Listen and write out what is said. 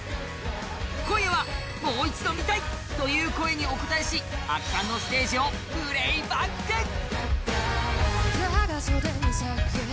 今夜はもう一度見たいという声にお応えし圧巻のステージをプレイバック。